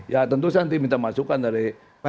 ya tentu saya nanti minta masukan dari